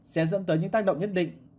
sẽ dẫn tới những tác động nhất định